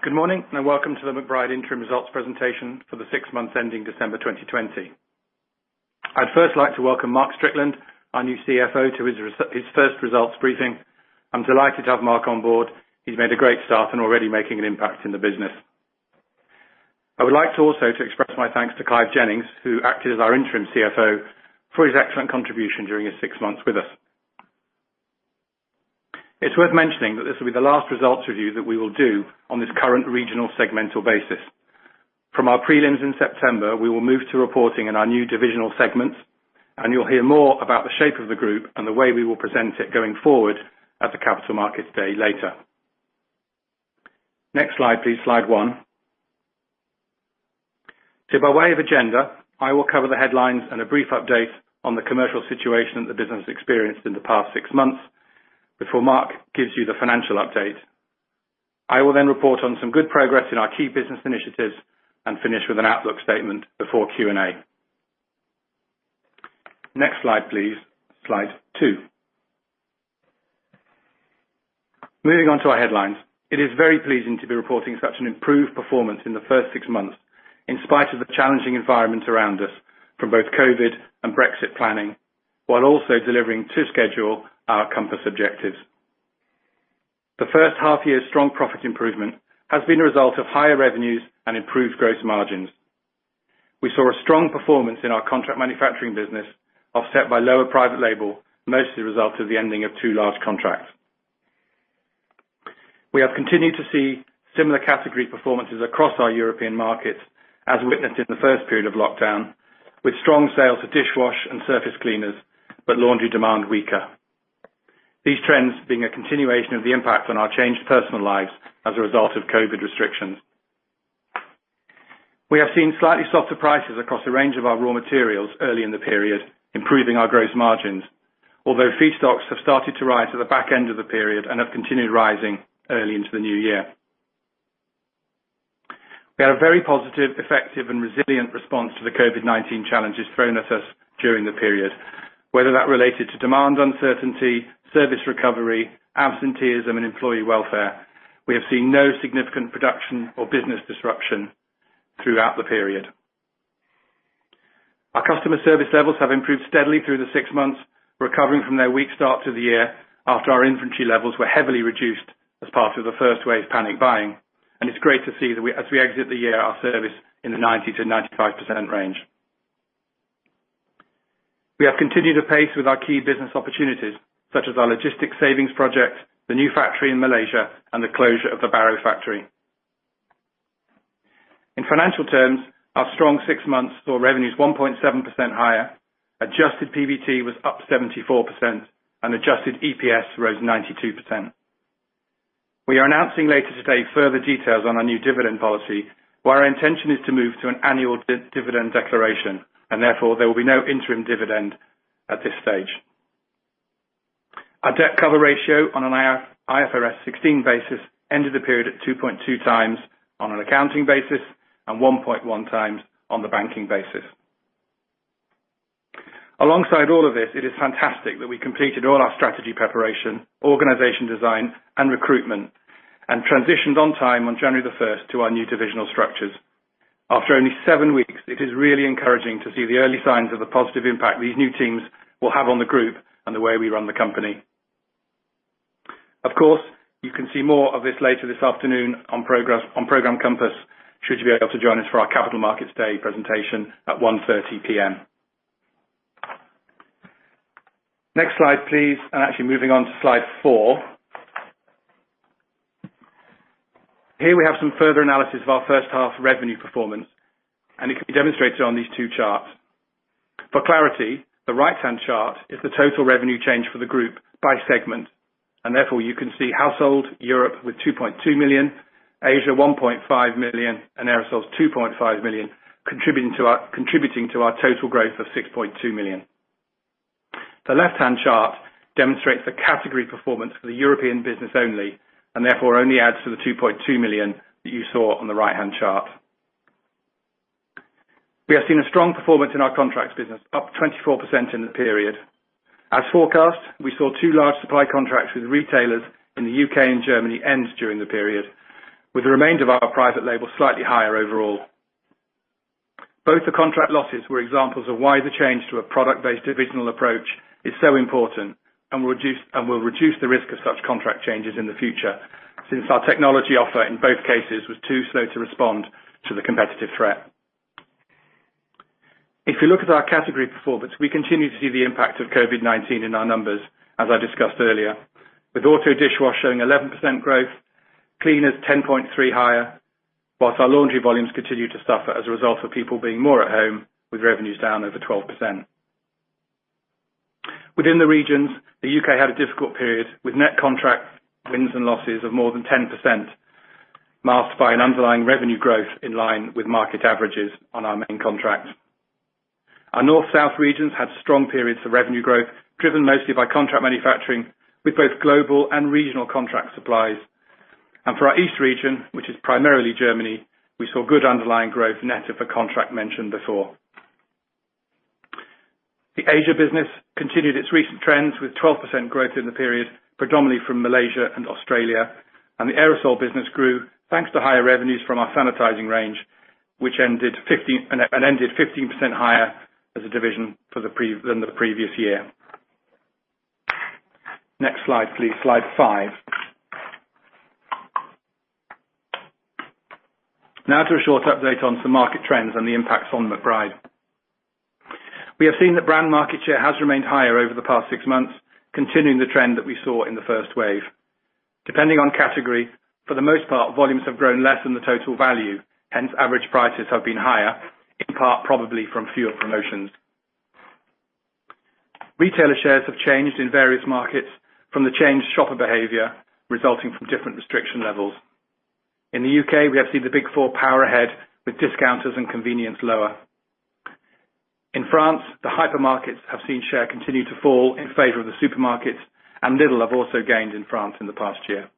Good morning. Welcome to the McBride Interim Results presentation for the six months ending December 2020. I'd first like to welcome Mark Strickland, our new Chief Financial Officer, to his first results briefing. I'm delighted to have Mark on board. He's made a great start and already making an impact in the business. I would like to also express my thanks to Clive Jennings, who acted as our interim Chief Financial Officer, for his excellent contribution during his six months with us. It's worth mentioning that this will be the last results review that we will do on this current regional segmental basis. From our prelims in September, we will move to reporting in our new divisional segments, and you'll hear more about the shape of the group and the way we will present it going forward at the Capital Markets Day later. Next slide, please, slide one. By way of agenda, I will cover the headlines and a brief update on the commercial situation that the business experienced in the past six months before Mark gives you the financial update. I will then report on some good progress in our key business initiatives and finish with an outlook statement before Q&A. Next slide, please. Slide two. Moving on to our headlines. It is very pleasing to be reporting such an improved performance in the first six months in spite of the challenging environment around us from both COVID-19 and Brexit planning, while also delivering to schedule our Programme Compass objectives. The first half year's strong profit improvement has been a result of higher revenues and improved gross margins. We saw a strong performance in our contract manufacturing business, offset by lower private label, mostly a result of the ending of two large contracts. We have continued to see similar category performances across our European markets, as witnessed in the first period of lockdown, with strong sales of dishwash and surface cleaners, but laundry demand weaker. These trends being a continuation of the impact on our changed personal lives as a result of COVID restrictions. We have seen slightly softer prices across a range of our raw materials early in the period, improving our gross margins. Although feedstocks have started to rise at the back end of the period and have continued rising early into the new year. We had a very positive, effective, and resilient response to the COVID-19 challenges thrown at us during the period. Whether that related to demand uncertainty, service recovery, absenteeism, and employee welfare, we have seen no significant production or business disruption throughout the period. Our customer service levels have improved steadily through the six months, recovering from their weak start to the year after our inventory levels were heavily reduced as part of the first wave's panic buying. It's great to see that as we exit the year, our service in the 90%-95% range. We have continued apace with our key business opportunities, such as our logistics savings project, the new factory in Malaysia, and the closure of the Barrow factory. In financial terms, our strong six months saw revenues 1.7% higher, adjusted PBT was up 74%, and adjusted EPS rose 92%. We are announcing later today further details on our new dividend policy, where our intention is to move to an annual dividend declaration, and therefore, there will be no interim dividend at this stage. Our debt cover ratio on an IFRS 16 basis ended the period at 2.2x on an accounting basis and 1.1x on the banking basis. Alongside all of this, it is fantastic that we completed all our strategy preparation, organization design, and recruitment, and transitioned on time on January 1st to our new divisional structures. After only seven weeks, it is really encouraging to see the early signs of the positive impact these new teams will have on the group and the way we run the company. Of course, you can see more of this later this afternoon on Programme Compass, should you be able to join us for our Capital Markets Day presentation at 1:30 P.M. Next slide, please. Actually moving on to slide four. Here we have some further analysis of our first half revenue performance, and it can be demonstrated on these two charts. For clarity, the right-hand chart is the total revenue change for the group by segment, and therefore, you can see Household Europe with 2.2 million, Asia, 1.5 million, and Aerosols, 2.5 million, contributing to our total growth of 6.2 million. The left-hand chart demonstrates the category performance for the European business only, and therefore only adds to the 2.2 million that you saw on the right-hand chart. We have seen a strong performance in our contracts business, up 24% in the period. As forecast, we saw two large supply contracts with retailers in the U.K. and Germany end during the period, with the remainder of our private label slightly higher overall. Both the contract losses were examples of why the change to a product-based divisional approach is so important and will reduce the risk of such contract changes in the future, since our technology offer in both cases was too slow to respond to the competitive threat. If you look at our category performance, we continue to see the impact of COVID-19 in our numbers, as I discussed earlier, with auto dishwasher showing 11% growth, cleaners 10.3% higher, whilst our laundry volumes continue to suffer as a result of people being more at home with revenues down over 12%. Within the regions, the U.K. had a difficult period with net contract wins and losses of more than 10%, masked by an underlying revenue growth in line with market averages on our main contract. Our North South regions had strong periods of revenue growth, driven mostly by contract manufacturing with both global and regional contract supplies. For our East region, which is primarily Germany, we saw good underlying growth net of a contract mentioned before. The Asia business continued its recent trends with 12% growth in the period predominantly from Malaysia and Australia. The aerosol business grew thanks to higher revenues from our sanitizing range, which ended 15% higher as a division than the previous year. Next slide, please. Slide five. Now to a short update on some market trends and the impacts on McBride. We have seen that brand market share has remained higher over the past six months, continuing the trend that we saw in the first wave. Depending on category, for the most part, volumes have grown less than the total value, hence average prices have been higher, in part, probably from fewer promotions. Retailer shares have changed in various markets from the changed shopper behavior resulting from different restriction levels. In the U.K., we have seen the Big Four power ahead with discounters and convenience lower. In France, the hypermarkets have seen share continue to fall in favor of the supermarkets, and Lidl have also gained in France in the past year.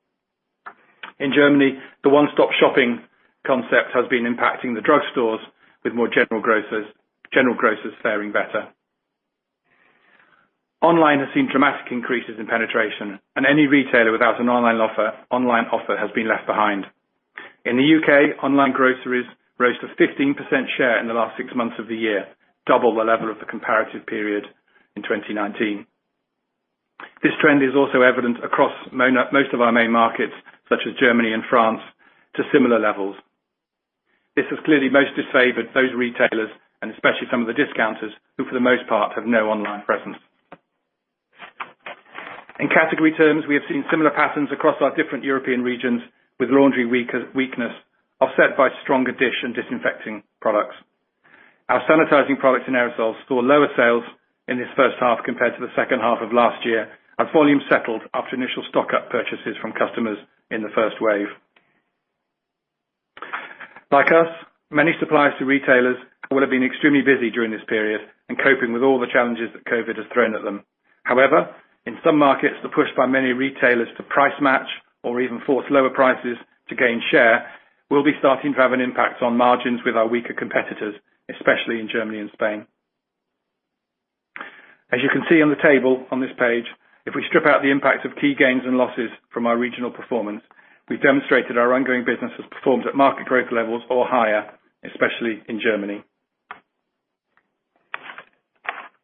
In Germany, the one-stop shopping concept has been impacting the drugstores with more general grocers faring better. Online has seen dramatic increases in penetration and any retailer without an online offer has been left behind. In the U.K., online groceries rose to 15% share in the last six months of the year, double the level of the comparative period in 2019. This trend is also evident across most of our main markets, such as Germany and France, to similar levels. This has clearly most disfavored those retailers, and especially some of the discounters, who for the most part have no online presence. In category terms, we have seen similar patterns across our different European regions with laundry weakness offset by stronger dish and disinfecting products. Our sanitizing products and Aerosols saw lower sales in this first half compared to the second half of last year as volume settled after initial stock-up purchases from customers in the first wave. Like us, many suppliers to retailers would have been extremely busy during this period and coping with all the challenges that COVID-19 has thrown at them. However, in some markets, the push by many retailers to price match or even force lower prices to gain share will be starting to have an impact on margins with our weaker competitors, especially in Germany and Spain. As you can see on the table on this page, if we strip out the impact of key gains and losses from our regional performance, we demonstrated our ongoing business has performed at market growth levels or higher, especially in Germany.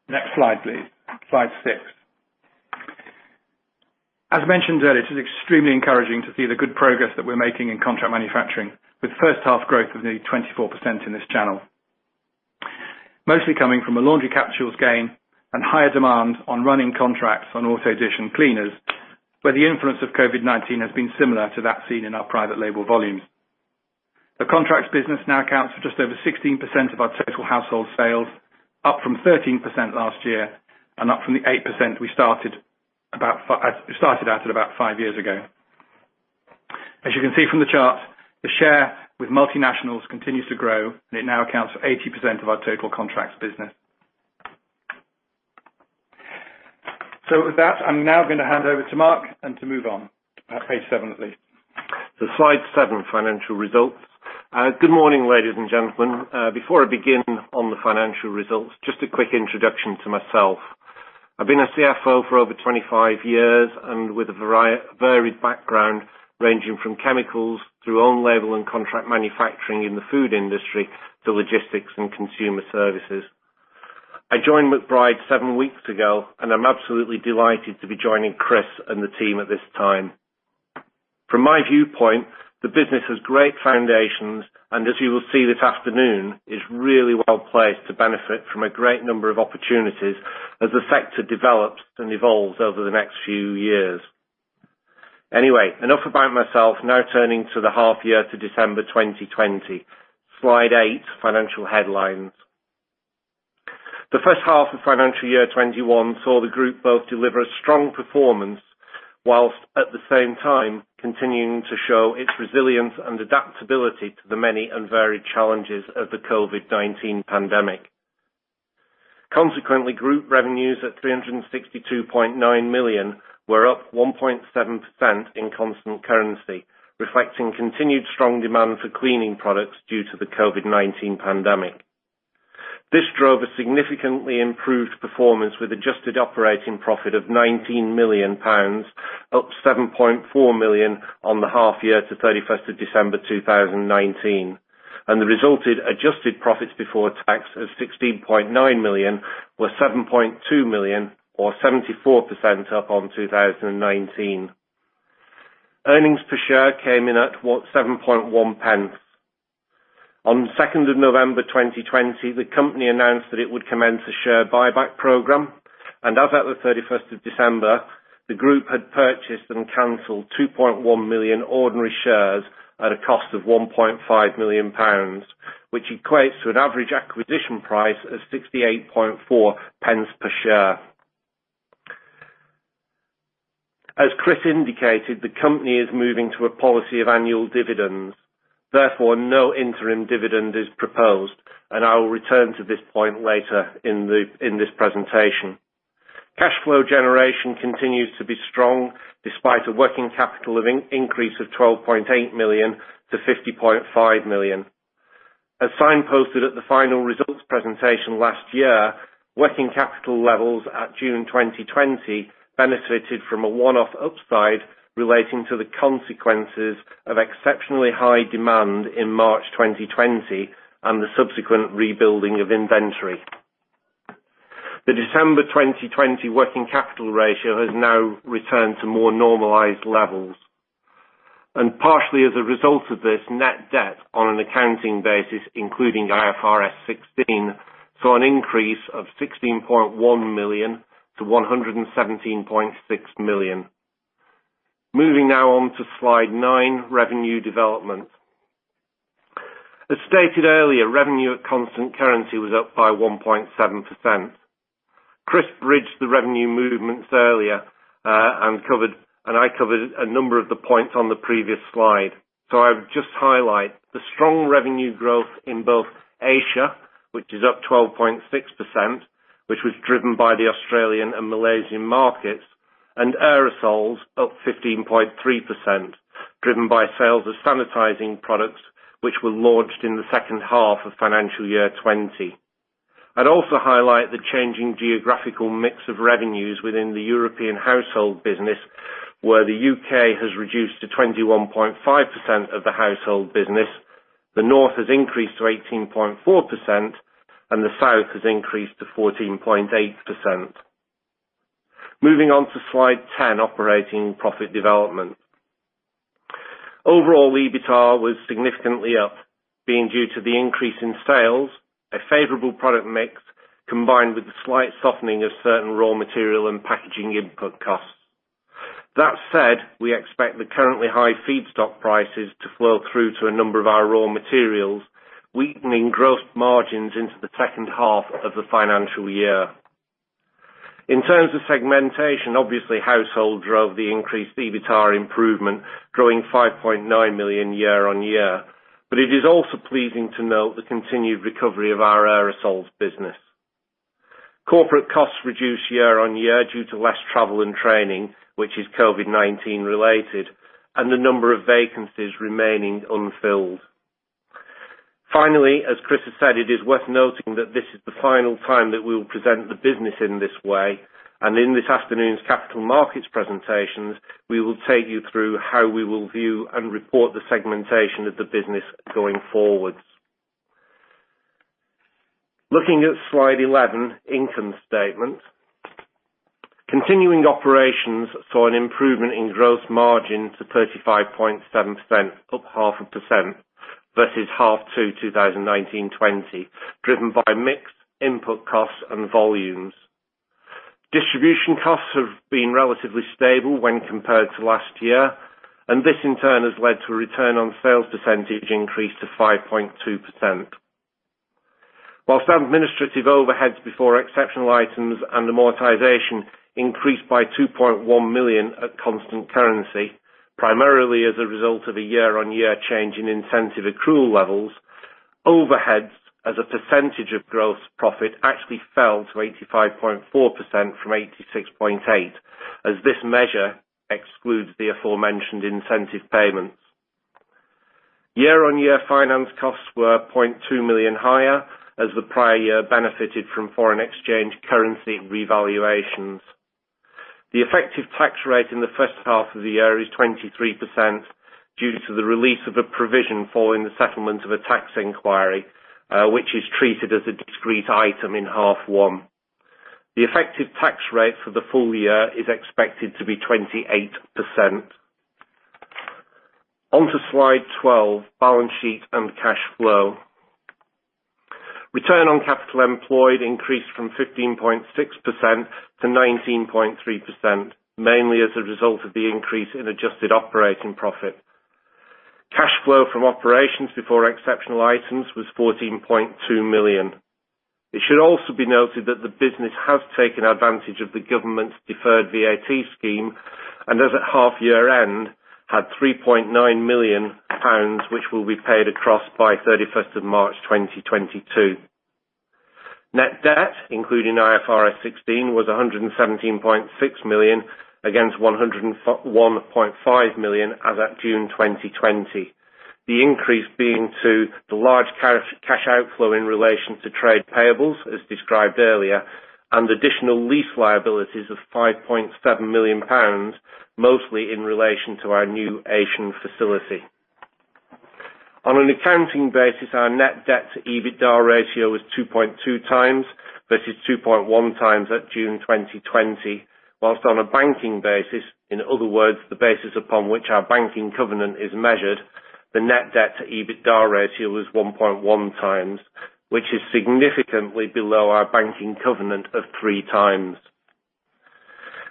Next slide, please. Slide six. As mentioned earlier, it is extremely encouraging to see the good progress that we're making in contract manufacturing with first half growth of nearly 24% in this channel. Mostly coming from a laundry capsules gain and higher demand on running contracts on auto dishwash cleaners, where the influence of COVID-19 has been similar to that seen in our private label volumes. The contracts business now accounts for just over 16% of our total household sales, up from 13% last year and up from the 8% we started at about five years ago. As you can see from the chart, the share with multinationals continues to grow, and it now accounts for 80% of our total contracts business. With that, I'm now going to hand over to Mark and to move on. Page seven, please. Slide seven, financial results. Good morning, ladies and gentlemen. Before I begin on the financial results, just a quick introduction to myself. I've been a Chief Financial Officer for over 25 years and with a varied background ranging from chemicals to own label and contract manufacturing in the food industry to logistics and consumer services. I joined McBride seven weeks ago, and I'm absolutely delighted to be joining Chris and the team at this time. From my viewpoint, the business has great foundations and as you will see this afternoon, is really well placed to benefit from a great number of opportunities as the sector develops and evolves over the next few years. Anyway, enough about myself. Now turning to the half year to December 2020. Slide eight, financial headlines. The first half of FY 2021 saw the group both deliver a strong performance while at the same time continuing to show its resilience and adaptability to the many and varied challenges of the COVID-19 pandemic. Consequently, group revenues at 362.9 million were up 1.7% in constant currency, reflecting continued strong demand for cleaning products due to the COVID-19 pandemic. This drove a significantly improved performance with adjusted operating profit of 19 million pounds, up 7.4 million on the half year to 31st of December 2019. The resulted adjusted profits before tax of 16.9 million were 7.2 million or 74% up on 2019. Earnings per share came in at 0.071. On the 2nd of November 2020, the company announced that it would commence a share buyback program, as at the 31st of December, the group had purchased and canceled 2.1 million ordinary shares at a cost of 1.5 million pounds, which equates to an average acquisition price of 0.684 per share. As Chris indicated, the company is moving to a policy of annual dividends. Therefore, no interim dividend is proposed, and I will return to this point later in this presentation. Cash flow generation continues to be strong despite a working capital increase of 12.8 million-50.5 million. As signposted at the final results presentation last year, working capital levels at June 2020 benefited from a one-off upside relating to the consequences of exceptionally high demand in March 2020 and the subsequent rebuilding of inventory. The December 2020 working capital ratio has now returned to more normalized levels. Partially as a result of this net debt on an accounting basis, including IFRS 16, saw an increase of 16.1 million-117.6 million. Moving now on to slide nine, revenue development. As stated earlier, revenue at constant currency was up by 1.7%. Chris bridged the revenue movements earlier, and I covered a number of the points on the previous slide. I would just highlight the strong revenue growth in both Asia, which is up 12.6%, which was driven by the Australian and Malaysian markets, and Aerosols up 15.3%, driven by sales of sanitizing products which were launched in the second half of FY 2020. I'd also highlight the changing geographical mix of revenues within the European household business, where the U.K. has reduced to 21.5% of the household business, the North has increased to 18.4%, and the South has increased to 14.8%. Moving on to slide 10, operating profit development. Overall, EBITDA was significantly up, being due to the increase in sales, a favorable product mix, combined with the slight softening of certain raw material and packaging input costs. That said, we expect the currently high feedstock prices to flow through to a number of our raw materials, weakening gross margins into the second half of the financial year. In terms of segmentation, obviously Household drove the increased EBITDA improvement, growing 5.9 million year-on-year. It is also pleasing to note the continued recovery of our Aerosols business. Corporate costs reduced year-on-year due to less travel and training, which is COVID-19 related, and the number of vacancies remaining unfilled. Finally, as Chris has said, it is worth noting that this is the final time that we will present the business in this way, and in this afternoon's capital markets presentations, we will take you through how we will view and report the segmentation of the business going forwards. Looking at slide 11, income statement. Continuing operations saw an improvement in gross margin to 35.7%, up half a percent versus half two 2019-2020, driven by mix input costs and volumes. Distribution costs have been relatively stable when compared to last year, this in turn has led to a return on sales percentage increase to 5.2%. Whilst administrative overheads before exceptional items and amortization increased by 2.1 million at constant currency, primarily as a result of a year-on-year change in incentive accrual levels, overheads as a percentage of gross profit actually fell to 85.4% from 86.8%, as this measure excludes the aforementioned incentive payments. Year-on-year finance costs were 0.2 million higher, as the prior year benefited from foreign exchange currency revaluations. The effective tax rate in the first half of the year is 23% due to the release of a provision following the settlement of a tax inquiry, which is treated as a discrete item in Half one. The effective tax rate for the full year is expected to be 28%. On to slide 12, balance sheet and cash flow. Return on capital employed increased from 15.6%-19.3%, mainly as a result of the increase in adjusted operating profit. Cash flow from operations before exceptional items was 14.2 million. It should also be noted that the business has taken advantage of the government's deferred VAT scheme and as at half year-end, had 3.9 million pounds, which will be paid across by 31st of March 2022. Net debt, including IFRS 16, was 117.6 million against 101.5 million as at June 2020. The increase being to the large cash outflow in relation to trade payables, as described earlier, and additional lease liabilities of 5.7 million pounds, mostly in relation to our new Asian facility. On an accounting basis, our net debt to EBITDA ratio was 2.2x versus 2.1x at June 2020. On a banking basis, in other words, the basis upon which our banking covenant is measured, the net debt to EBITDA ratio was 1.1x, which is significantly below our banking covenant of 3x.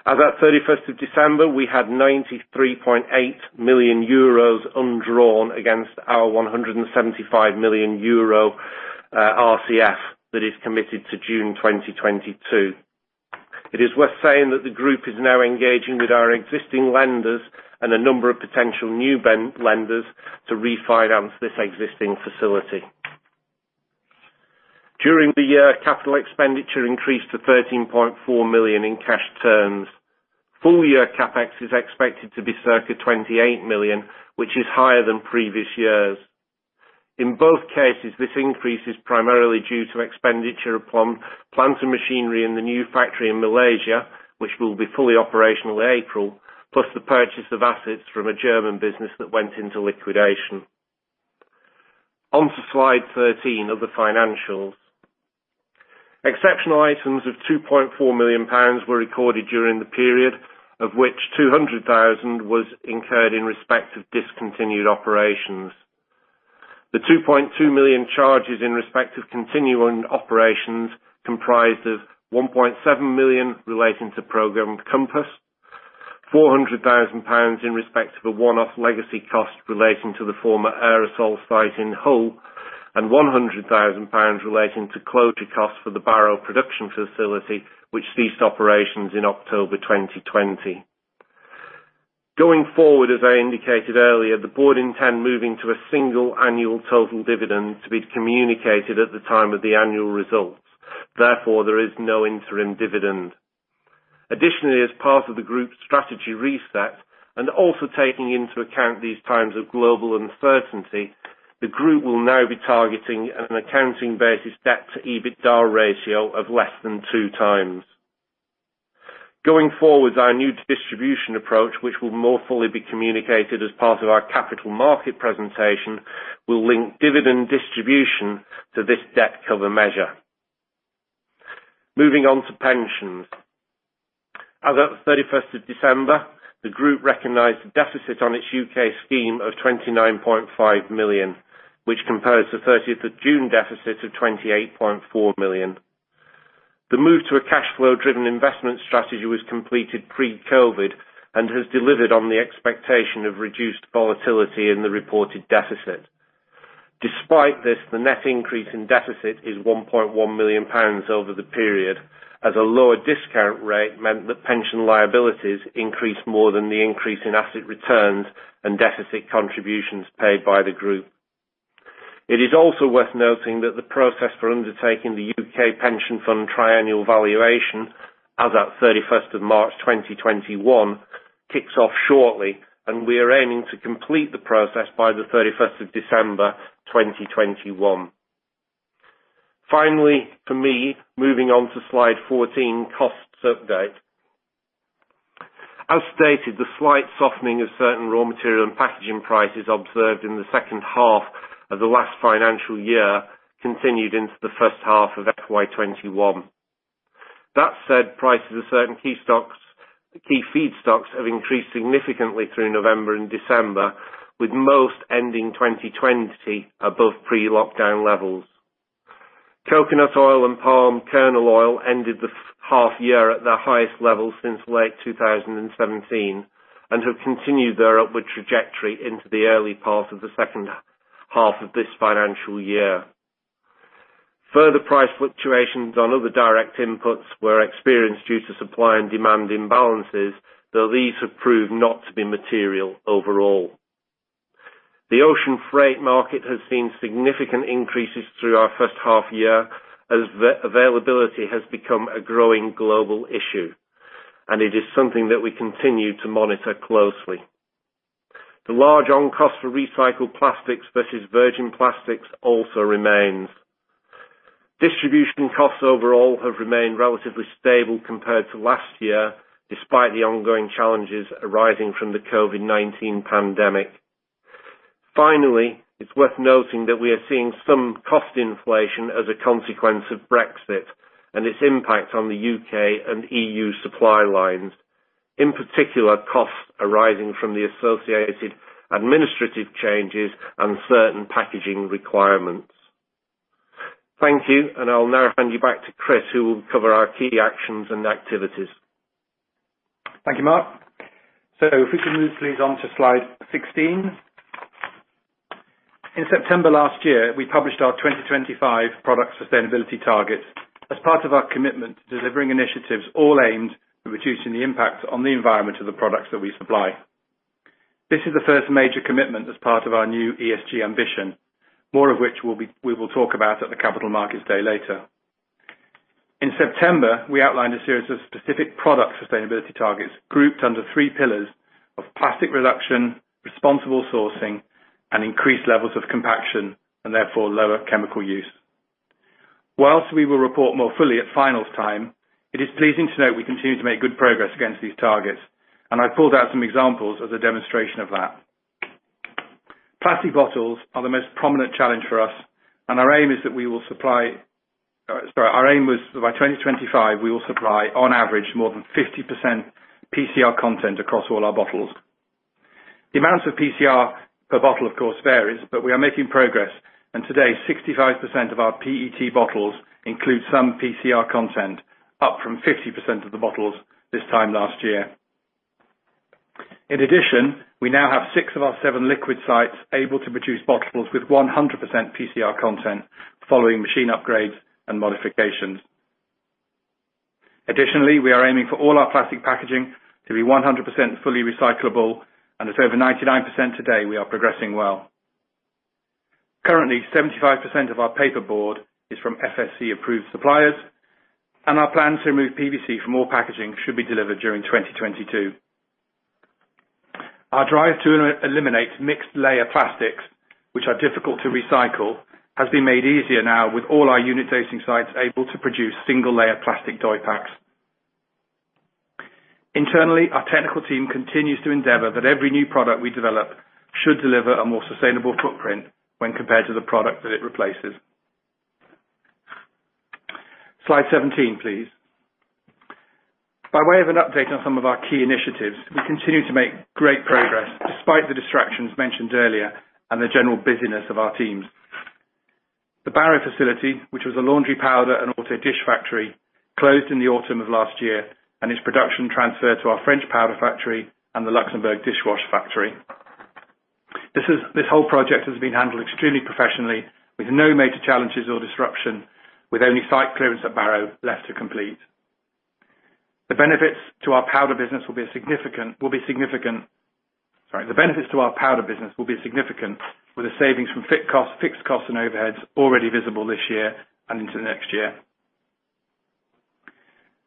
As at 31st of December, we had 93.8 million euros undrawn against our 175 million euro RCF that is committed to June 2022. It is worth saying that the group is now engaging with our existing lenders and a number of potential new lenders to refinance this existing facility. During the year, capital expenditure increased to 13.4 million in cash terms. Full year CapEx is expected to be circa 28 million, which is higher than previous years. In both cases, this increase is primarily due to expenditure upon plants and machinery in the new factory in Malaysia, which will be fully operational April, plus the purchase of assets from a German business that went into liquidation. On to Slide 13 of the financials. Exceptional items of 2.4 million pounds were recorded during the period, of which 200,000 was incurred in respect of discontinued operations. The 2.2 million charges in respect of continuing operations comprised of 1.7 million relating to Programme Compass, 400,000 pounds in respect of a one-off legacy cost relating to the former aerosol site in Hull, and 100,000 pounds relating to closure costs for the Barrow production facility, which ceased operations in October 2020. As I indicated earlier, the board intend moving to a single annual total dividend to be communicated at the time of the annual results. There is no interim dividend. As part of the group strategy reset, and also taking into account these times of global uncertainty, the group will now be targeting an accounting basis debt to EBITDA ratio of less than 2x. Our new distribution approach, which will more fully be communicated as part of our capital market presentation, will link dividend distribution to this debt cover measure. Moving on to pensions. As at 31st of December, the group recognized a deficit on its U.K. scheme of 29.5 million, which compares to 30th of June deficit of 28.4 million. The move to a cash flow-driven investment strategy was completed pre-COVID-19, and has delivered on the expectation of reduced volatility in the reported deficit. Despite this, the net increase in deficit is 1.1 million pounds over the period as a lower discount rate meant that pension liabilities increased more than the increase in asset returns and deficit contributions paid by the group. It is also worth noting that the process for undertaking the U.K. pension fund triennial valuation as at 31st of March 2021 kicks off shortly, and we are aiming to complete the process by the 31st of December 2021. Finally, for me, moving on to slide 14, costs update. As stated, the slight softening of certain raw material and packaging prices observed in the second half of the last financial year continued into the first half of FY 2021. That said, prices of certain key feedstocks have increased significantly through November and December, with most ending 2020 above pre-lockdown levels. Coconut oil and palm kernel oil ended the half year at their highest level since late 2017 and have continued their upward trajectory into the early part of the second half of this financial year. Further price fluctuations on other direct inputs were experienced due to supply and demand imbalances, though these have proved not to be material overall. The ocean freight market has seen significant increases through our first half year as availability has become a growing global issue, and it is something that we continue to monitor closely. The large on-cost for recycled plastics versus virgin plastics also remains. Distribution costs overall have remained relatively stable compared to last year, despite the ongoing challenges arising from the COVID-19 pandemic. Finally, it's worth noting that we are seeing some cost inflation as a consequence of Brexit and its impact on the U.K. and EU supply lines, in particular, costs arising from the associated administrative changes and certain packaging requirements. Thank you, and I'll now hand you back to Chris, who will cover our key actions and activities. Thank you, Mark. If we can move please on to slide 16. In September last year, we published our 2025 product sustainability targets as part of our commitment to delivering initiatives all aimed at reducing the impact on the environment of the products that we supply. This is the first major commitment as part of our new ESG ambition, more of which we will talk about at the Capital Markets Day later. In September, we outlined a series of specific product sustainability targets grouped under three pillars of plastic reduction, responsible sourcing, and increased levels of compaction, and therefore lower chemical use. Whilst we will report more fully at finals time, it is pleasing to note we continue to make good progress against these targets, and I pulled out some examples as a demonstration of that. Plastic bottles are the most prominent challenge for us. Our aim was that by 2025, we will supply on average more than 50% PCR content across all our bottles. The amount of PCR per bottle, of course, varies. We are making progress, today, 65% of our PET bottles include some PCR content, up from 50% of the bottles this time last year. In addition, we now have six of our seven liquid sites able to produce bottles with 100% PCR content following machine upgrades and modifications. Additionally, we are aiming for all our plastic packaging to be 100% fully recyclable, and at over 99% today, we are progressing well. Currently, 75% of our paper board is from FSC-approved suppliers. Our plan to remove PVC from all packaging should be delivered during 2022. Our drive to eliminate mixed-layer plastics, which are difficult to recycle, has been made easier now with all our Unit Dosing sites able to produce single-layer plastic doypacks. Internally, our technical team continues to endeavor that every new product we develop should deliver a more sustainable footprint when compared to the product that it replaces. Slide 17, please. By way of an update on some of our key initiatives, we continue to make great progress despite the distractions mentioned earlier and the general busyness of our teams. The Barrow facility, which was a laundry powder and auto dish factory, closed in the autumn of last year, and its production transferred to our French powder factory and the Luxembourg dishwasher factory. This whole project has been handled extremely professionally with no major challenges or disruption, with only site clearance at Barrow left to complete. The benefits to our powder business will be significant with a savings from fixed costs and overheads already visible this year and into the next year.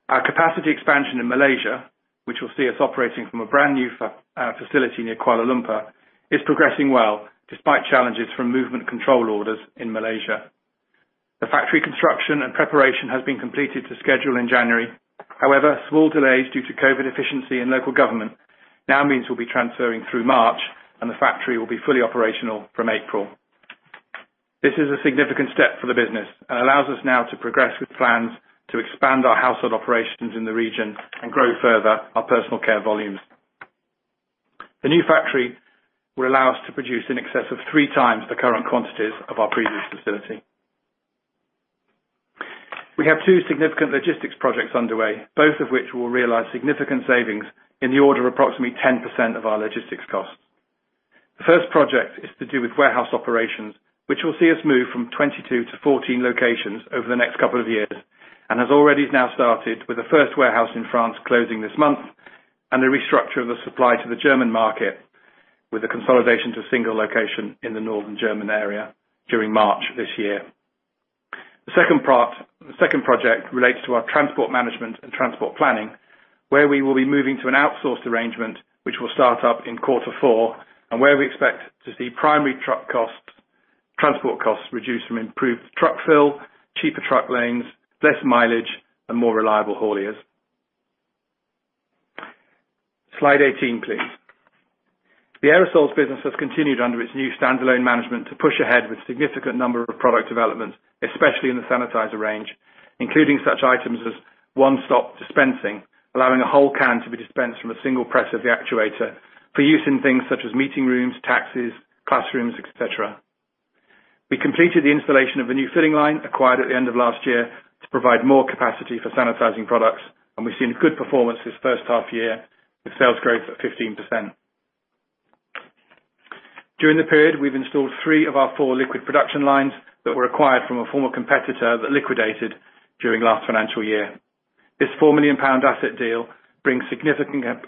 Our capacity expansion in Malaysia, which will see us operating from a brand-new facility near Kuala Lumpur, is progressing well despite challenges from movement control orders in Malaysia. The factory construction and preparation has been completed to schedule in January. Small delays due to COVID efficiency and local government now means we'll be transferring through March, and the factory will be fully operational from April. This is a significant step for the business and allows us now to progress with plans to expand our household operations in the region and grow further our personal care volumes. The new factory will allow us to produce in excess of three times the current quantities of our previous facility. We have two significant logistics projects underway, both of which will realize significant savings in the order of approximately 10% of our logistics costs. The first project is to do with warehouse operations, which will see us move from 22-14 locations over the next couple of years and has already now started with the first warehouse in France closing this month and the restructure of the supply to the German market with the consolidation to a single location in the Northern German area during March this year. The second project relates to our transport management and transport planning, where we will be moving to an outsourced arrangement, which will start up in quarter four, and where we expect to see primary transport costs reduced from improved truck fill, cheaper truck lanes, less mileage, and more reliable hauliers. Slide 18, please. The Aerosols business has continued under its new standalone management to push ahead with a significant number of product developments, especially in the sanitizer range, including such items as one-stop dispensing, allowing a whole can to be dispensed from a single press of the actuator for use in things such as meeting rooms, taxis, classrooms, et cetera. We completed the installation of a new filling line acquired at the end of last year to provide more capacity for sanitizing products, and we've seen good performance this first half-year with sales growth at 15%. During the period, we've installed three of our four liquid production lines that were acquired from a former competitor that liquidated during last financial year. This 4 million pound asset deal brings significant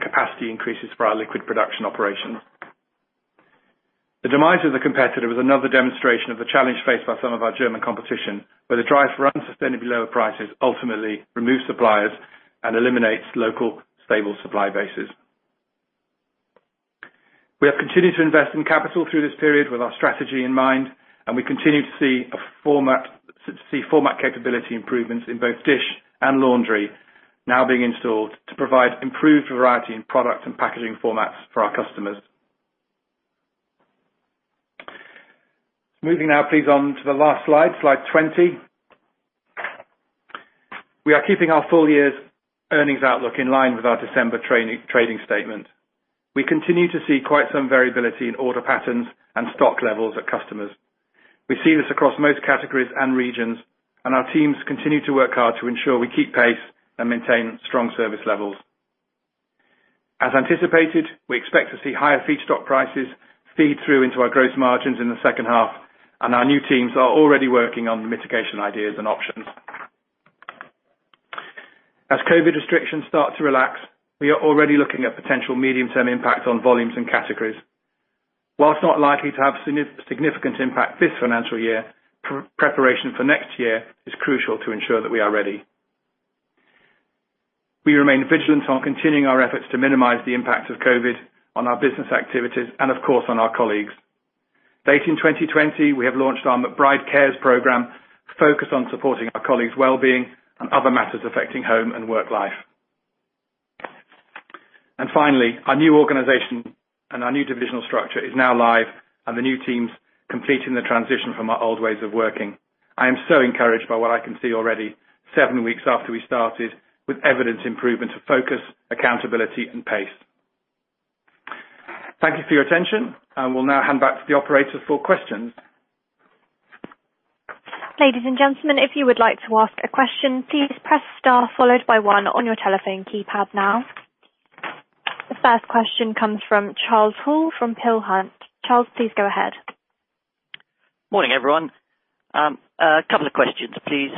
capacity increases for our liquid production operations. The demise of the competitor was another demonstration of the challenge faced by some of our German competition, where the drive for unsustainably lower prices ultimately removes suppliers and eliminates local stable supply bases. We have continued to invest in capital through this period with our strategy in mind, and we continue to see format capability improvements in both dish and laundry now being installed to provide improved variety in product and packaging formats for our customers. Moving now, please, on to the last slide 20. We are keeping our full year's earnings outlook in line with our December trading statement. We continue to see quite some variability in order patterns and stock levels at customers. We see this across most categories and regions, and our teams continue to work hard to ensure we keep pace and maintain strong service levels. As anticipated, we expect to see higher feedstock prices feed through into our gross margins in the second half, and our new teams are already working on the mitigation ideas and options. As COVID restrictions start to relax, we are already looking at potential medium-term impact on volumes and categories. While it's not likely to have a significant impact this financial year, preparation for next year is crucial to ensure that we are ready. We remain vigilant on continuing our efforts to minimize the impact of COVID on our business activities and of course on our colleagues. Late in 2020, we have launched our McBride Cares program focused on supporting our colleagues' well-being and other matters affecting home and work life. Finally, our new organization and our new divisional structure is now live, and the new team's completing the transition from our old ways of working. I am so encouraged by what I can see already seven weeks after we started with evidence improvement of focus, accountability and pace. Thank you for your attention. I will now hand back to the operator for questions. Ladies and gentlemen, if you would like to ask a question, please press star followed by one on your telephone keypad now. The first question comes from Charles Hall from Peel Hunt. Charles, please go ahead. Morning, everyone. A couple of questions, please.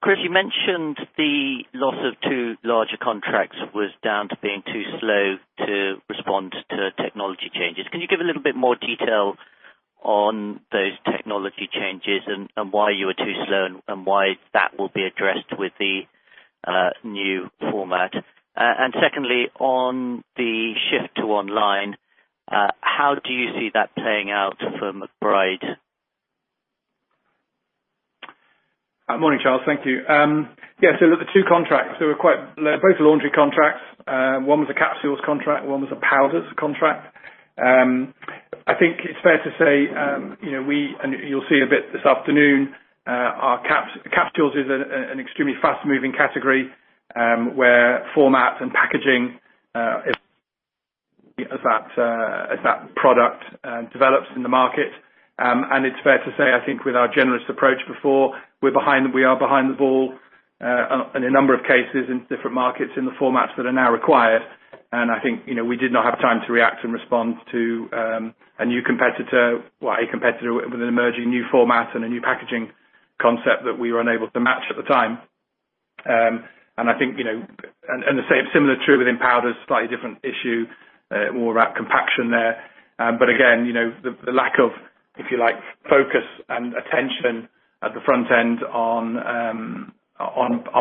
Chris, you mentioned the loss of two larger contracts was down to being too slow to respond to technology changes. Can you give a little bit more detail on those technology changes and why you were too slow and why that will be addressed with the new format? Secondly, on the shift to online, how do you see that playing out for McBride? Morning, Charles. Thank you. Yeah, the two contracts, they're both laundry contracts. One was a capsules contract, one was a Powders contract. I think it's fair to say, and you'll see a bit this afternoon, capsules is an extremely fast-moving category, where format and packaging as that product develops in the market. It's fair to say, I think, with our generous approach before, we are behind the ball, in a number of cases in different markets in the formats that are now required. I think we did not have time to react and respond to a new competitor, well, a competitor with an emerging new format and a new packaging concept that we were unable to match at the time. The same similar true within Powders, slightly different issue, more about compaction there. Again, the lack of, if you like, focus and attention at the front end on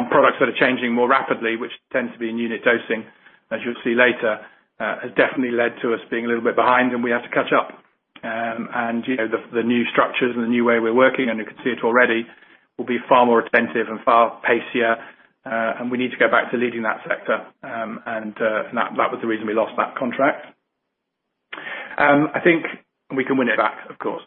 products that are changing more rapidly, which tend to be in unit dosing, as you'll see later, has definitely led to us being a little bit behind, and we have to catch up. The new structures and the new way we're working, and you can see it already, will be far more attentive and far pacier, and we need to go back to leading that sector. That was the reason we lost that contract. We can win it back, of course.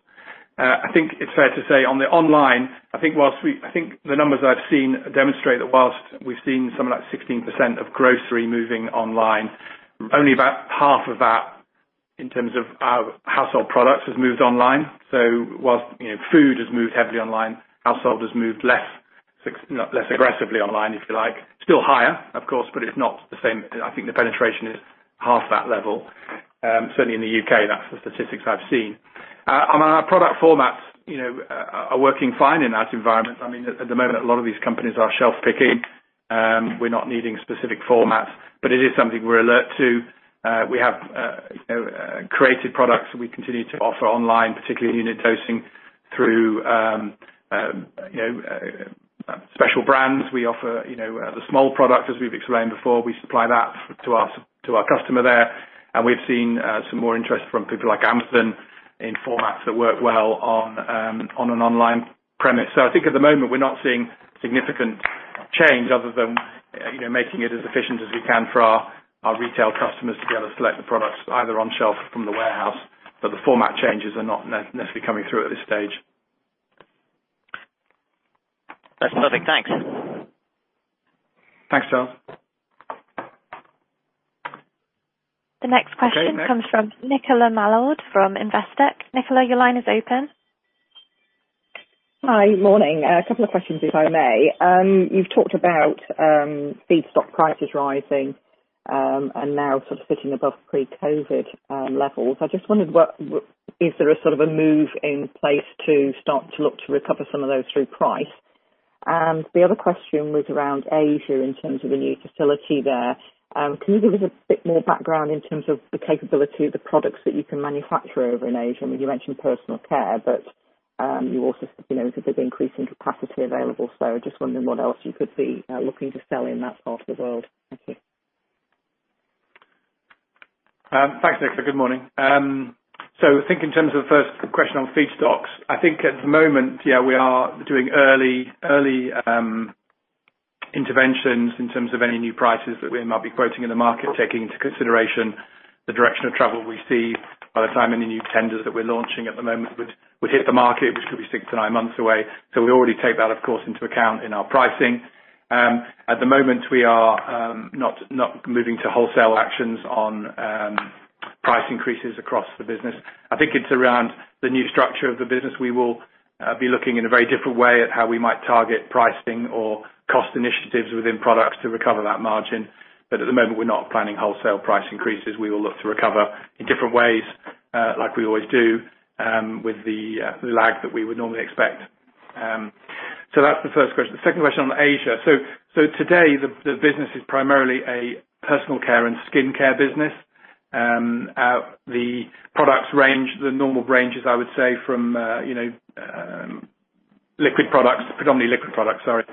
I think it's fair to say on the online, I think the numbers I've seen demonstrate that whilst we've seen something like 16% of grocery moving online, only about half of that in terms of our household products has moved online. While food has moved heavily online, household has moved less aggressively online, if you like. Still higher, of course, it's not the same. I think the penetration is half that level. Certainly in the U.K., that's the statistics I've seen. On our product formats, are working fine in that environment. I mean, at the moment, a lot of these companies are shelf-picking. We're not needing specific formats. It is something we're alert to. We have created products that we continue to offer online, particularly unit dosing through special brands. We offer the small product, as we've explained before. We supply that to our customer there, we've seen some more interest from people like Amazon in formats that work well on an online premise. I think at the moment, we're not seeing significant change other than making it as efficient as we can for our retail customers to be able to select the products either on shelf or from the warehouse. The format changes are not necessarily coming through at this stage. That's perfect. Thanks. Thanks, Charles. The next question comes from Nicola Mallard from Investec. Nicola, your line is open. Hi. Morning. A couple of questions, if I may. You've talked about feedstock prices rising, and now sitting above pre-COVID levels. I just wondered, is there a move in place to start to look to recover some of those through price? The other question was around Asia in terms of a new facility there. Can you give us a bit more background in terms of the capability of the products that you can manufacture over in Asia? I mean, you mentioned personal care, but you also said there's increasing capacity available. I was just wondering what else you could be looking to sell in that part of the world. Thank you. Thanks, Nicola. Good morning. In terms of the first question on feedstocks, I think at the moment, yeah, we are doing early interventions in terms of any new prices that we might be quoting in the market, taking into consideration the direction of travel we see by the time any new tenders that we're launching at the moment would hit the market, which could be six to nine months away. We already take that, of course, into account in our pricing. At the moment, we are not moving to wholesale actions on price increases across the business. I think it's around the new structure of the business. We will be looking in a very different way at how we might target pricing or cost initiatives within products to recover that margin. At the moment, we're not planning wholesale price increases. We will look to recover in different ways, like we always do, with the lag that we would normally expect. That's the first question. The second question on Asia. Today, the business is primarily a personal care and skin care business. The products range, the normal ranges, I would say, from liquid products, predominantly liquid products, sorry.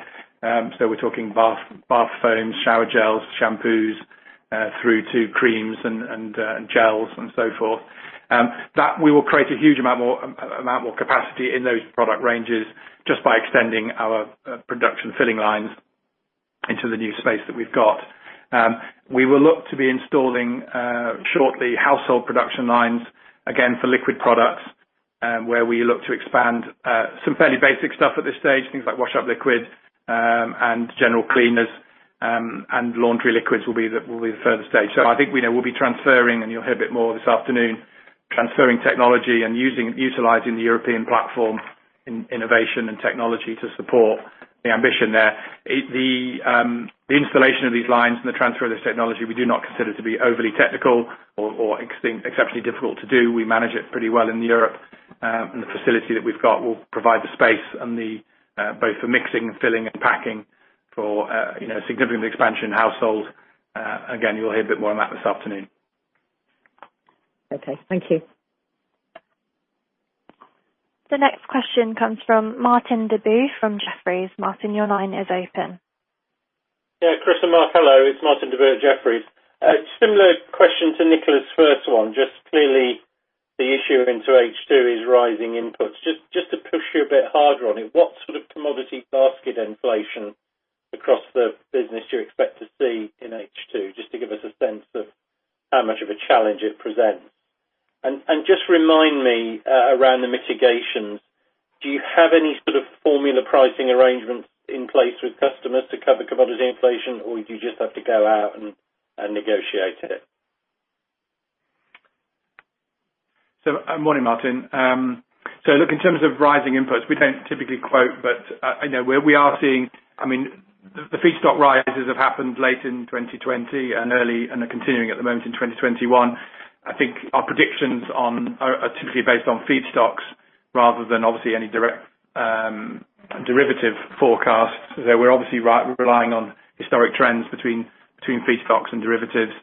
We're talking bath foams, shower gels, shampoos, through to creams and gels and so forth. That we will create a huge amount more capacity in those product ranges just by extending our production filling lines into the new space that we've got. We will look to be installing, shortly, household production lines, again, for liquid products, where we look to expand some fairly basic stuff at this stage, things like wash up liquid, and general cleaners, and laundry Liquids will be the further stage. I think we know we'll be transferring, and you'll hear a bit more this afternoon, transferring technology and utilizing the European platform in innovation and technology to support the ambition there. The installation of these lines and the transfer of this technology, we do not consider to be overly technical or exceptionally difficult to do. We manage it pretty well in Europe, and the facility that we've got will provide the space both for mixing and filling and packing for significant expansion household. Again, you'll hear a bit more on that this afternoon. Okay, thank you. The next question comes from Martin Deboo from Jefferies. Martin, your line is open. Yeah, Chris and Mark, hello. It's Martin Deboo, Jefferies. Similar question to Nicola's first one, just clearly the issue into H2 is rising inputs. Just to push you a bit harder on it, what sort of commodity basket inflation across the business do you expect to see in H2, just to give us a sense of how much of a challenge it presents? Just remind me, around the mitigations, do you have any sort of formula pricing arrangements in place with customers to cover commodity inflation, or do you just have to go out and negotiate it? Good morning, Martin. In terms of rising inputs, we don't typically quote, but I know where the feedstock rises have happened late in 2020 and are continuing at the moment in 2021. I think our predictions are typically based on feedstocks rather than obviously any derivative forecasts. We're obviously relying on historic trends between feedstocks and derivatives.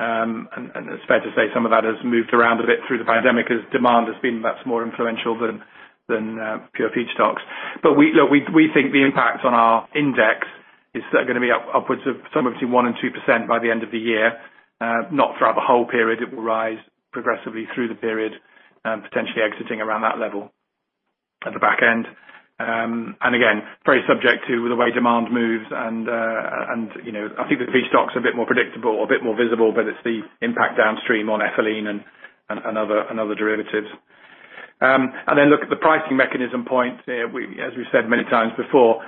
It's fair to say some of that has moved around a bit through the pandemic as demand has been much more influential than pure feedstocks. We think the impact on our index is going to be upwards of somewhere between 1% and 2% by the end of the year. Not throughout the whole period. It will rise progressively through the period, potentially exiting around that level at the back end. Again, very subject to the way demand moves and I think the feedstocks are a bit more predictable or a bit more visible, but it's the impact downstream on ethylene and other derivatives. Look at the pricing mechanism point, as we've said many times before,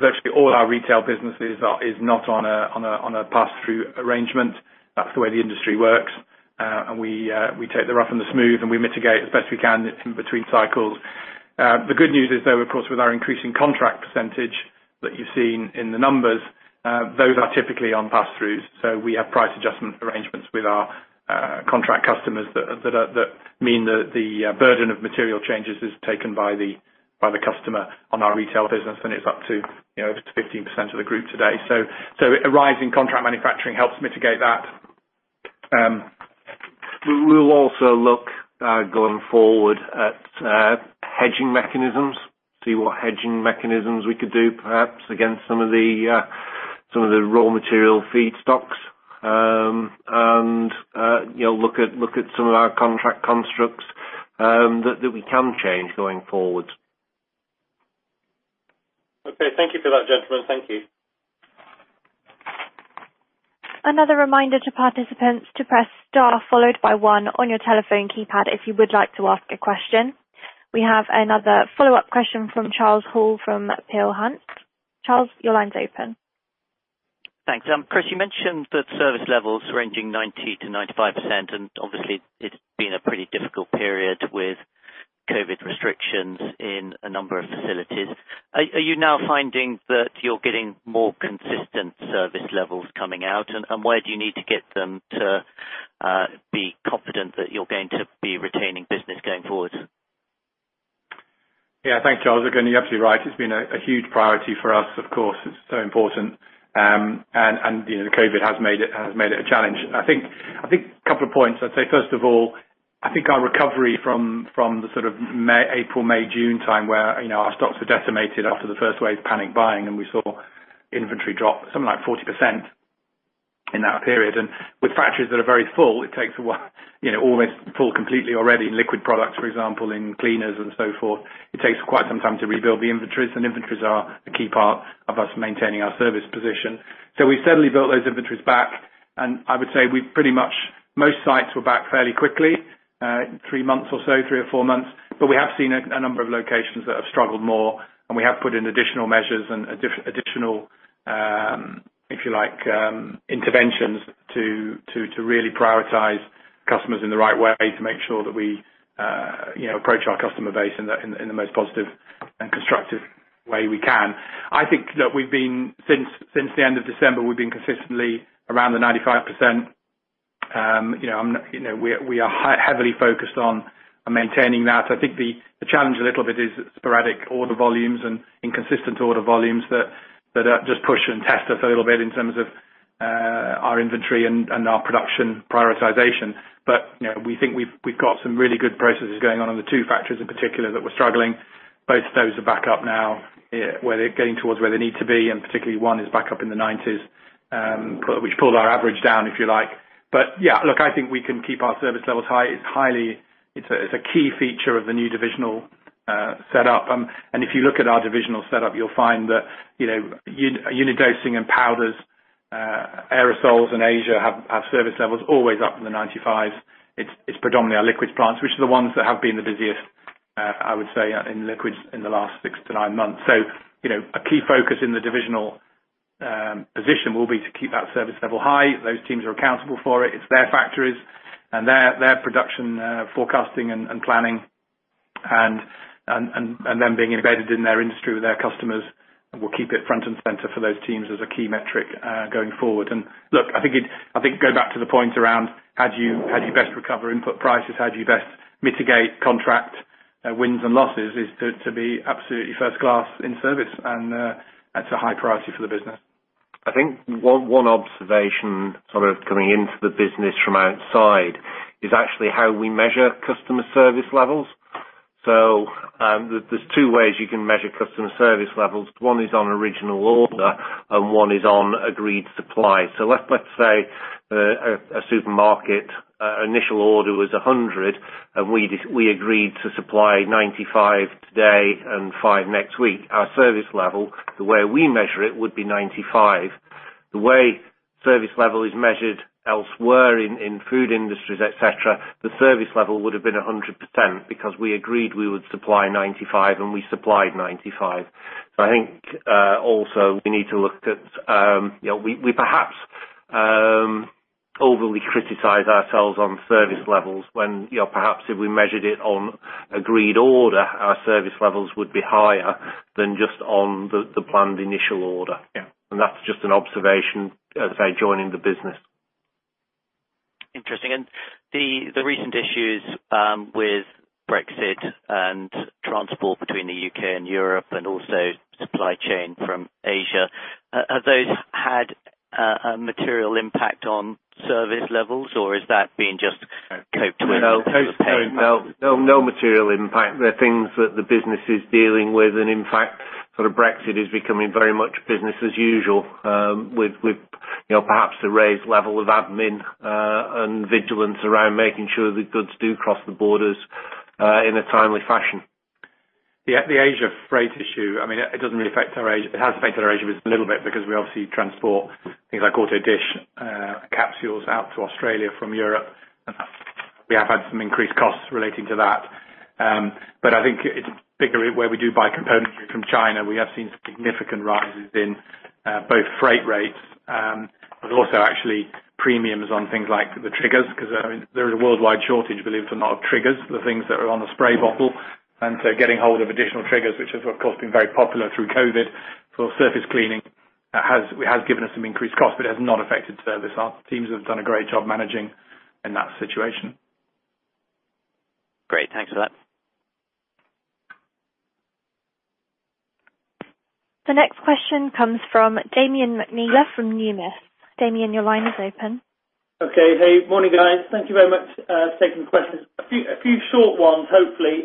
virtually all our retail businesses is not on a pass-through arrangement. That's the way the industry works. We take the rough and the smooth and we mitigate as best we can in between cycles. The good news is though, of course, with our increasing contract percentage that you've seen in the numbers, those are typically on pass-throughs. We have price adjustment arrangements with our contract customers that mean that the burden of material changes is taken by the customer on our retail business, and it's up to 15% of the group today. A rise in contract manufacturing helps mitigate that. We will also look, going forward, at hedging mechanisms, see what hedging mechanisms we could do perhaps against some of the raw material feedstocks. Look at some of our contract constructs that we can change going forward. Okay. Thank you for that, gentlemen. Thank you. Another reminder to participants to press star followed by one on your telephone keypad if you would like to ask a question. We have another follow-up question from Charles Hall from Peel Hunt. Charles, your line's open. Thanks. Chris, you mentioned that service levels ranging 90%-95%, obviously it's been a pretty difficult period with COVID restrictions in a number of facilities. Are you now finding that you're getting more consistent service levels coming out, and where do you need to get them to be confident that you're going to be retaining business going forward? Yeah. Thanks, Charles. You're absolutely right. It's been a huge priority for us. Of course, it's so important. COVID has made it a challenge. I think a couple of points. I'd say, first of all, I think our recovery from the sort of April, May, June time where our stocks were decimated after the first wave panic buying, we saw inventory drop something like 40% in that period. With factories that are very full, it takes a while almost full, completely already in liquid products, for example, in cleaners and so forth, it takes quite some time to rebuild the inventories. Inventories are a key part of us maintaining our service position. We've certainly built those inventories back, and I would say we've pretty much most sites were back fairly quickly, three months or so, three or four months. We have seen a number of locations that have struggled more, and we have put in additional measures and additional, if you like, interventions to really prioritize customers in the right way to make sure that we approach our customer base in the most positive and constructive way we can. I think since the end of December, we've been consistently around the 95%. We are heavily focused on maintaining that. I think the challenge a little bit is sporadic order volumes and inconsistent order volumes that just push and test us a little bit in terms of our inventory and our production prioritization. We think we've got some really good processes going on in the two factories in particular that were struggling. Both those are back up now, where they're getting towards where they need to be. Particularly one is back up in the 90%s, which pulled our average down, if you like. Yeah, look, I think we can keep our service levels high. It's a key feature of the new divisional setup. If you look at our divisional setup, you'll find that unit dosing and Powders, Aerosols in Asia have service levels always up in the 95%s. It's predominantly our Liquids plants, which are the ones that have been the busiest, I would say, in Liquids in the last six to nine months. A key focus in the divisional position will be to keep that service level high. Those teams are accountable for it. It's their factories and their production forecasting and planning, and them being embedded in their industry with their customers will keep it front and center for those teams as a key metric going forward. Look, I think go back to the point around how do you best recover input prices, how do you best mitigate contract wins and losses is to be absolutely first-class in service, and that's a high priority for the business. I think one observation coming into the business from outside is actually how we measure customer service levels. There's two ways you can measure customer service levels. One is on original order, and one is on agreed supply. Let's say a supermarket initial order was 100, and we agreed to supply 95 today and five next week. Our service level, the way we measure it, would be 95. The way service level is measured elsewhere in food industries, et cetera, the service level would have been 100% because we agreed we would supply 95, and we supplied 95. I think also we need to look at we perhaps overly criticize ourselves on service levels when perhaps if we measured it on agreed order, our service levels would be higher than just on the planned initial order. Yeah. That's just an observation, as I say, joining the business. Interesting. The recent issues with Brexit and transport between the U.K. and Europe and also supply chain from Asia, have those had a material impact on service levels or is that being just coped with? No material impact. They're things that the business is dealing with. In fact, Brexit is becoming very much business as usual with perhaps a raised level of admin and vigilance around making sure that goods do cross the borders in a timely fashion. The Asia freight issue has affected our Asia business a little bit because we obviously transport things like auto dish capsules out to Australia from Europe. We have had some increased costs relating to that. I think it's bigger where we do buy components from China. We have seen significant rises in both freight rates and also actually premiums on things like the triggers because there is a worldwide shortage, believe it or not, of triggers, the things that are on the spray bottle. Getting hold of additional triggers, which has, of course, been very popular through COVID-19 for surface cleaning, has given us some increased cost. It has not affected service. Our teams have done a great job managing in that situation. Great. Thanks for that. The next question comes from Damian McNeela from Numis. Damian, your line is open. Okay. Hey. Morning, guys. Thank you very much for taking the questions. A few short ones, hopefully.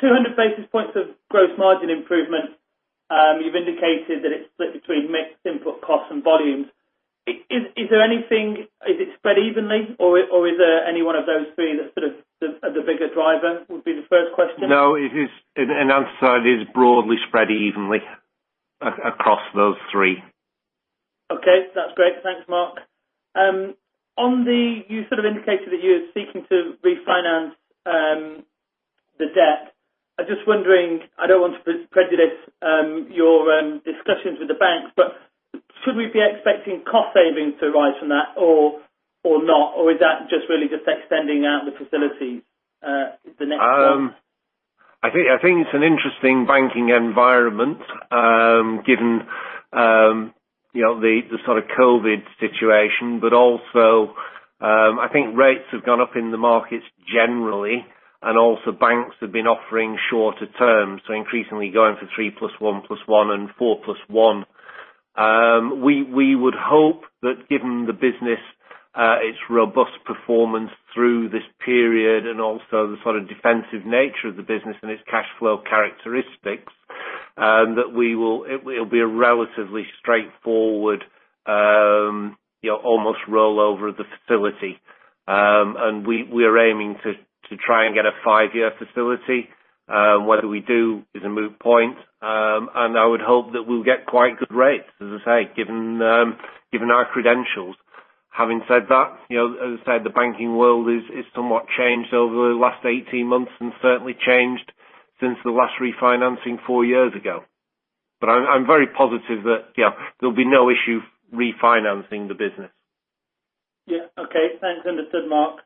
200 basis points of gross margin improvement. You've indicated that it is split between mix input costs and volumes. Is it spread evenly or is there any one of those three that is the bigger driver, would be the first question? No, I would say it is broadly spread evenly across those three. Okay. That's great. Thanks, Mark. You indicated that you are seeking to refinance the debt. I'm just wondering, I don't want to pre-prejudice your discussions with the banks, should we be expecting cost savings to arise from that or not? Is that just really just extending out the facility is the next one? I think it's an interesting banking environment given the COVID situation. I think rates have gone up in the markets generally, and also banks have been offering shorter terms, so increasingly going for three plus one plus one and four plus one. We would hope that given the business its robust performance through this period and also the defensive nature of the business and its cash flow characteristics, that it will be a relatively straightforward almost rollover of the facility. We are aiming to try and get a five-year facility. Whether we do is a moot point. I would hope that we'll get quite good rates, as I say, given our credentials. Having said that, as I said, the banking world is somewhat changed over the last 18 months and certainly changed since the last refinancing four years ago. I'm very positive that there'll be no issue refinancing the business. Okay. Thanks. Understood, Mark.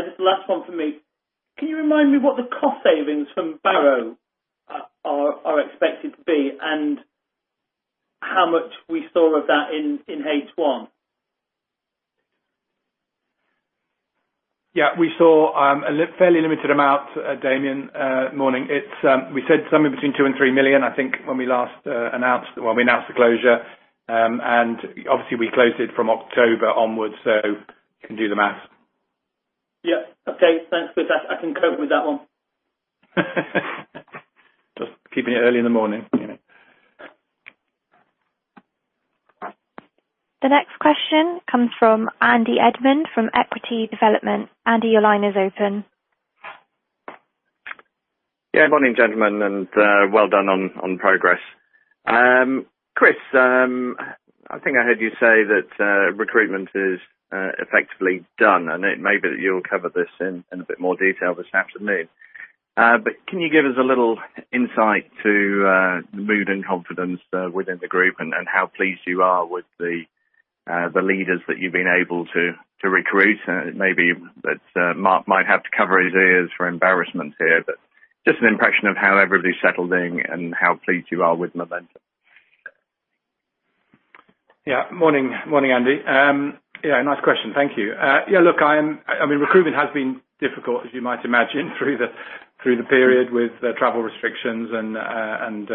Just the last one from me. Can you remind me what the cost savings from Barrow are expected to be and how much we saw of that in H1? Yeah. We saw a fairly limited amount, Damian. Morning. We said somewhere between 2 million and 3 million, I think, when we announced the closure. Obviously, we closed it from October onwards, you can do the math. Yeah. Okay. Thanks for that. I can cope with that one. Just keeping it early in the morning. The next question comes from Andy Edmond from Equity Development. Andy, your line is open. Yeah. Morning, gentlemen, and well done on progress. Chris, I think I heard you say that recruitment is effectively done, and it may be that you'll cover this in a bit more detail this afternoon. Can you give us a little insight to the mood and confidence within the group and how pleased you are with the leaders that you've been able to recruit? Maybe Mark might have to cover his ears for embarrassment here, just an impression of how everybody's settling and how pleased you are with momentum. Yeah. Morning, Andy. Yeah, nice question. Thank you. Look, recruitment has been difficult, as you might imagine, through the period with travel restrictions and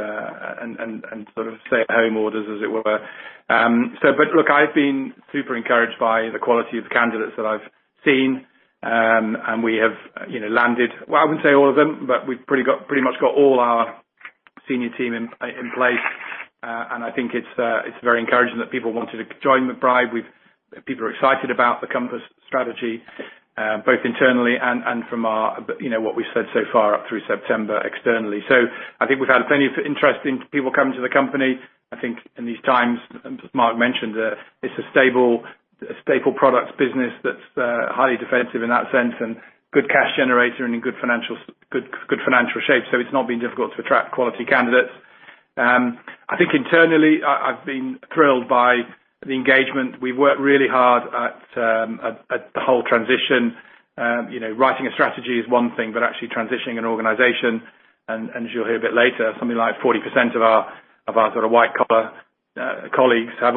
stay-at-home orders, as it were. Look, I've been super encouraged by the quality of the candidates that I've seen, and we have landed, well, I wouldn't say all of them, but we've pretty much got all our senior team in place. I think it's very encouraging that people wanted to join McBride. People are excited about the Programme Compass, both internally and from what we've said so far up through September externally. I think we've had plenty of interesting people coming to the company. I think in these times, as Mark mentioned, it's a staple products business that's highly defensive in that sense and good cash generator and in good financial shape. It's not been difficult to attract quality candidates. I think internally, I've been thrilled by the engagement. We've worked really hard at the whole transition. Actually transitioning an organization, and as you'll hear a bit later, something like 40% of our white-collar colleagues have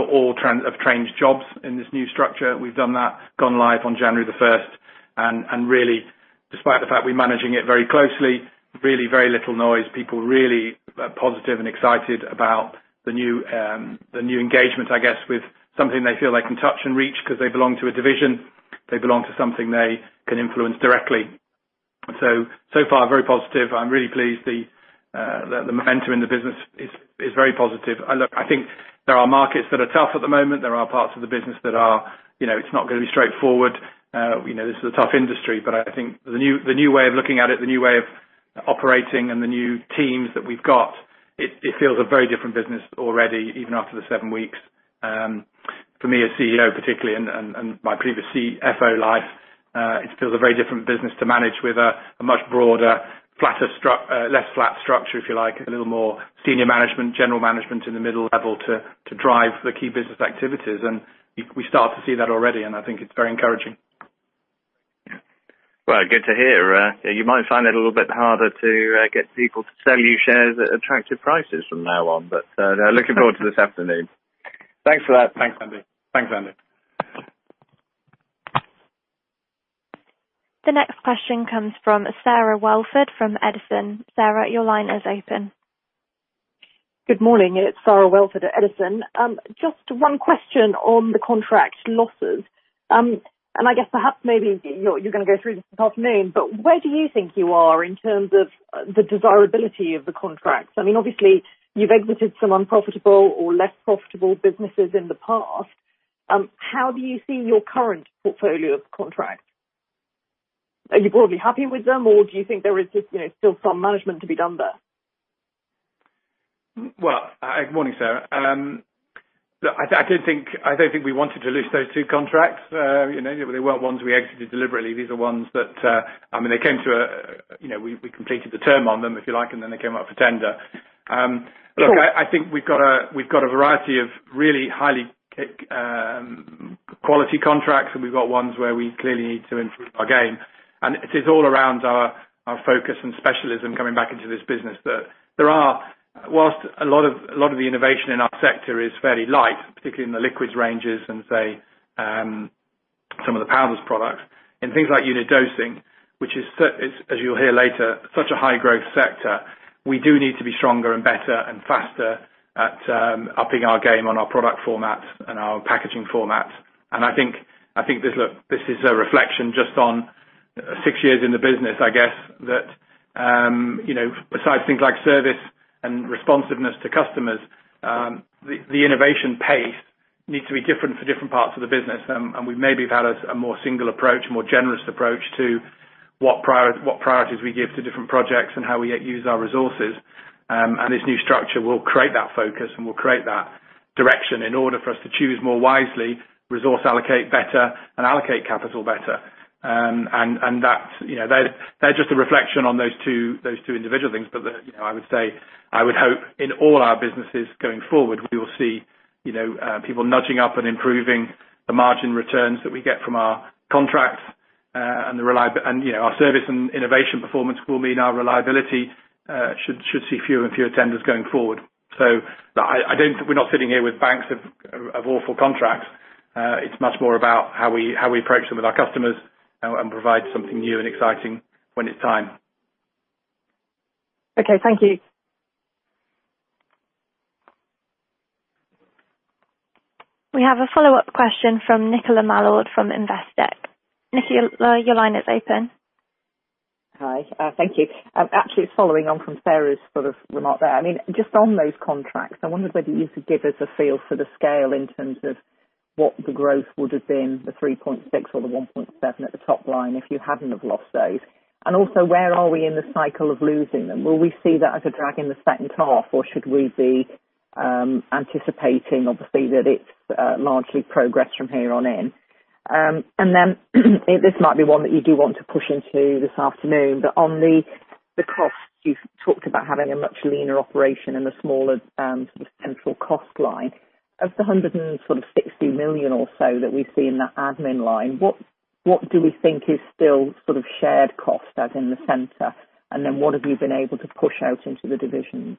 changed jobs in this new structure. Really, despite the fact we're managing it very closely, really very little noise. People are really positive and excited about the new engagement, I guess, with something they feel they can touch and reach because they belong to a division. They belong to something they can influence directly. So far very positive. I'm really pleased the momentum in the business is very positive. Look, I think there are markets that are tough at the moment. There are parts of the business that it's not going to be straightforward. This is a tough industry. I think the new way of looking at it, the new way of operating, and the new teams that we've got, it feels a very different business already, even after the seven weeks. For me as Chief Executive Officer, particularly, and my previous Chief Financial Officer life, it feels a very different business to manage with a much broader, less flat structure, if you like, a little more senior management, general management in the middle level to drive the key business activities. We start to see that already, and I think it's very encouraging. Well, good to hear. You might find it a little bit harder to get people to sell you shares at attractive prices from now on, but looking forward to this afternoon. Thanks for that. Thanks, Andy. The next question comes from Sarah Wellford from Edison. Sarah, your line is open. Good morning. It is Sarah Wellford at Edison. Just one question on the contract losses. I guess perhaps maybe you are going to go through this this afternoon, but where do you think you are in terms of the desirability of the contracts? Obviously, you have exited some unprofitable or less profitable businesses in the past. How do you see your current portfolio of contracts? Are you broadly happy with them, or do you think there is just still some management to be done there? Well, good morning, Sarah. Look, I don't think we wanted to lose those two contracts. They weren't ones we exited deliberately. These are ones that we completed the term on them, if you like, and then they came up for tender. Sure. Look, I think we've got a variety of really high-quality contracts. We've got ones where we clearly need to improve our game. It is all around our focus and specialization coming back into this business. Whilst a lot of the innovation in our sector is fairly light, particularly in the Liquids ranges and, say, some of the Powders products, in things like unit dosing, which is, as you'll hear later, such a high-growth sector, we do need to be stronger and better and faster at upping our game on our product formats and our packaging formats. I think this is a reflection just on six years in the business, I guess that, besides things like service and responsiveness to customers, the innovation pace needs to be different for different parts of the business. We maybe have had a more single approach, more generous approach to what priorities we give to different projects and how we yet use our resources. This new structure will create that focus and will create that direction in order for us to choose more wisely, resource allocate better, and allocate capital better. They're just a reflection on those two individual things. I would hope in all our businesses going forward, we will see people nudging up and improving the margin returns that we get from our contracts. Our service and innovation performance will mean our reliability should see fewer and fewer tenders going forward. We're not sitting here with banks of awful contracts. It's much more about how we approach them with our customers and provide something new and exciting when it's time. Okay. Thank you. We have a follow-up question from Nicola Mallard from Investec. Nicola, your line is open. Hi. Thank you. Actually, following on from Sarah's remark there. Just on those contracts, I wondered whether you could give us a feel for the scale in terms of what the growth would have been, the 3.6 or the 1.7 at the top line, if you hadn't have lost those. Also, where are we in the cycle of losing them? Will we see that as a drag in the second half, or should we be anticipating, obviously, that it's largely progressed from here on in? Then this might be one that you do want to push into this afternoon, but on the costs, you've talked about having a much leaner operation and a smaller central cost line. Of the 160 million or so that we see in that admin line, what do we think is still shared cost, as in the center, and then what have you been able to push out into the divisions?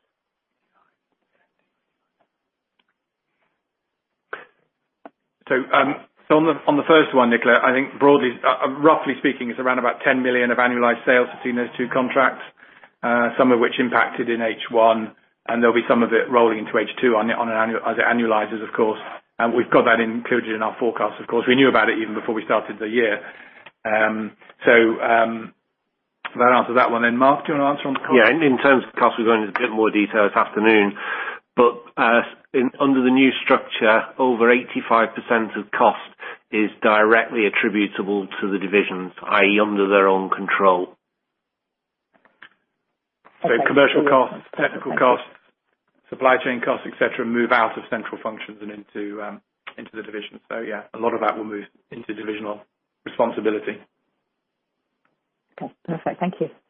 On the first one, Nicola, I think broadly, roughly speaking, it's around about 10 million of annualized sales between those two contracts, some of which impacted in H1, and there'll be some of it rolling into H2 as it annualizes, of course. We've got that included in our forecast, of course. We knew about it even before we started the year. That answers that one then. Mark, do you want to answer on the cost? Yeah. In terms of cost, we will go into a bit more detail this afternoon. Under the new structure, over 85% of cost is directly attributable to the divisions, i.e., under their own control. Commercial costs, technical costs, supply chain costs, et cetera, move out of central functions and into the divisions. Yeah, a lot of that will move into divisional responsibility. Okay. Perfect. Thank you.